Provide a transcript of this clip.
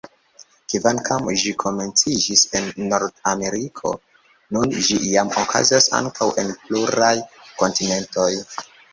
Kvankam ĝi komenciĝis en Nord-Ameriko, nun ĝi jam okazas ankaŭ en pluraj kontinentoj.